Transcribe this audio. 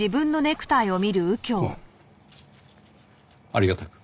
ありがたく。